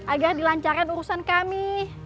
agar dilancarkan urusan kami